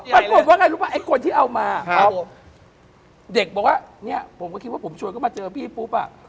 ปรากฏว่าไงรู้ป่ะไอ้คนที่เอามาเด็กบอกว่าเนี่ยผมก็คิดว่าผมชวนก็มาเจอพี่ปุ๊บอ่ะ